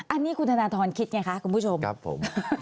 อันนี้คุณธนาธรณ์คิดไงคะคุณผู้ชม